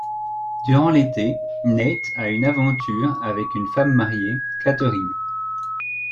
Durant l'été, Nate a une aventure avec une femme mariée, Catherine.